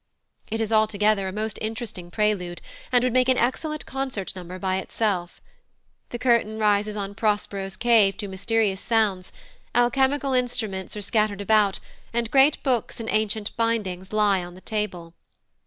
It is altogether a most interesting prelude, and would make an excellent concert number by itself. The curtain rises on Prospero's cave to mysterious sounds; alchemical instruments are scattered about, and great books in ancient bindings lie on the table.